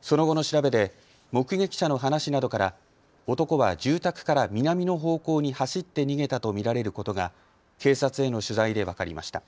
その後の調べで目撃者の話などから男は住宅から南の方向に走って逃げたと見られることが警察への取材で分かりました。